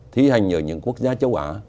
thi hành ở những quốc gia châu á